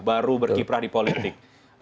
baru berkiprah di politik